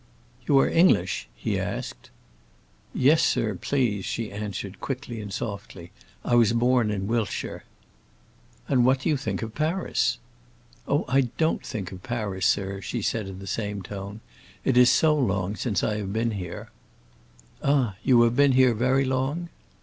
"You are English?" he asked. "Yes, sir, please," she answered, quickly and softly; "I was born in Wiltshire." "And what do you think of Paris?" "Oh, I don't think of Paris, sir," she said in the same tone. "It is so long since I have been here." "Ah, you have been here very long?"